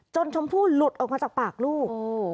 ชมพู่หลุดออกมาจากปากลูก